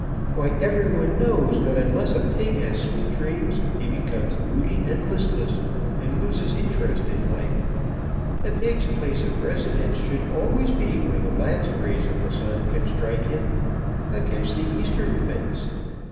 "Why every one knows that unless a pig has sweet dreams he becomes moody and listless, and loses interest in life. A pig's place of residence should always be where the last rays of the sun can strike him against the eastern fence.